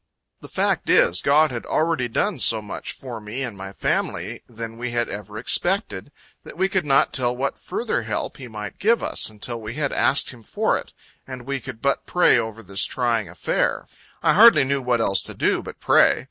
The fact is, God had already done so much more for me and my family than we had ever expected, that we could not tell what further help He might give us, until we had asked Him for it; and we could but pray over this trying affair. I hardly knew what else to do, but pray.